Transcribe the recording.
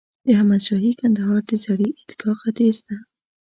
د احمد شاهي کندهار د زړې عیدګاه ختیځ ته.